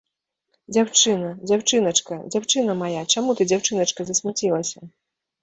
Дзяўчына, дзяўчыначка, дзяўчына мая, чаму ты, дзяўчыначка, засмуцілася?